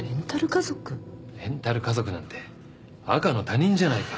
レンタル家族なんて赤の他人じゃないか。